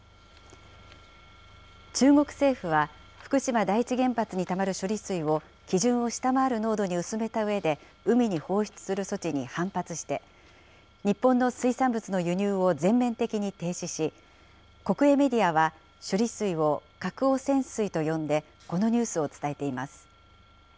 中国政府は、福島第一原発にたまる処理水を基準を下回る濃度に薄めたうえで海に放出する措置に反発して、日本の水産物の輸入を全面的に停止し、国営メディアは処理水を核汚染水と呼んで、このニュースを伝えています。